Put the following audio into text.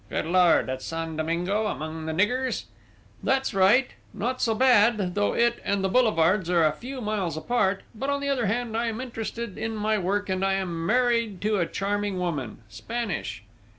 "Good Lord! At San Domingo, among the niggers?" "That's right! Not so bad, though it and the boulevards are a few miles apart! But, on the other hand, I am interested in my work, and I am married to a charming woman Spanish."